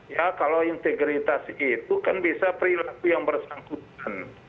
ya kalau integritas itu kan bisa perilaku yang bersangkutan